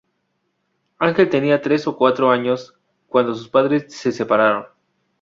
Ángel tenía tres o cuatro años cuando sus padres se separaron.